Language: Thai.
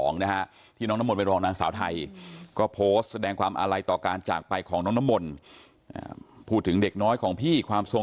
นะฮะที่น้องน้ำมนไปรองนางสาวไทก็โพสต์แสดงความอะไรต่อการจากไปของน้องน้ำมน